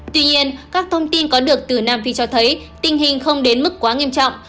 tuy nhiên các thông tin có được từ nam phi cho thấy tình hình không đến mức quá nghiêm trọng